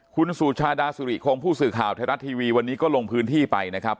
คุณสุชาดาสุริคงผู้สื่อข่าวไทยรัฐทีวีวันนี้ก็ลงพื้นที่ไปนะครับ